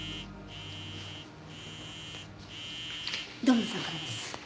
土門さんからです。